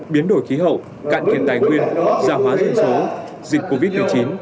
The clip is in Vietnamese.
biến đổi khí hậu cạn kiệt tài nguyên gia hóa dân số dịch covid một mươi chín